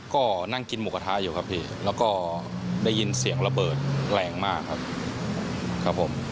ก็นั่งกินหมูกระทะอยู่ครับพี่แล้วก็ได้ยินเสียงระเบิดแรงมากครับครับผม